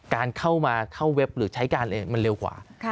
การเข้ามาเข้าเว็บหรือใช้การเองมันเร็วกว่า